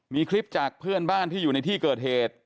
มีคลิปจากเพื่อนบ้านที่อยู่ในที่เกิดเหตุ